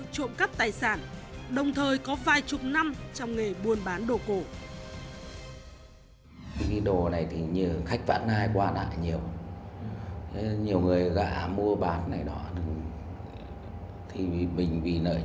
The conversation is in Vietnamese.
các bạn nhớ like share and subscribe cho kênh ghiền mì gõ để không bỏ lỡ những video hấp dẫn